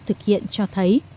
thực hiện cho thấy